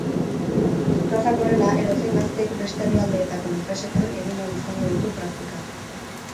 Gauzak horrela, edozein gaztek beste herrialdeetako enpresetan egin ahal izango ditu praktikak.